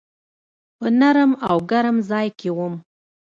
په نرم او ګرم ځای کي وم .